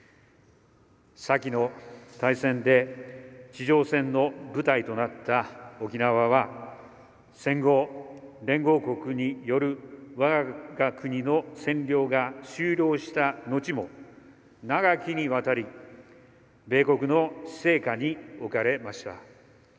先の大戦で地上戦の舞台となった沖縄は戦後、連合国による我が国の占領が終了した後も長きにわたり米国の施政下に置かれました。